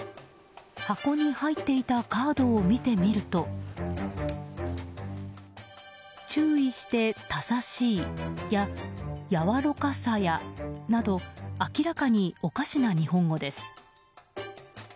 箱に入っていたカードを見てみると「注意してたさしい」や「柔ろかさや」など明らかにおかしな日本語です。